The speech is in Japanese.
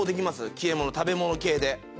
消え物食べ物系で。